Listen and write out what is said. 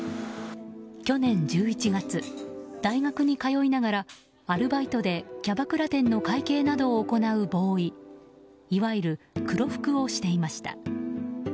去年１１月、大学に通いながらアルバイトでキャバクラ店の会計などを行うボーイいわゆる黒服をしていました。